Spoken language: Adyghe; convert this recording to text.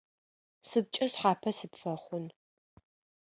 Сыдкӏэ шъхьапэ сыпфэхъун?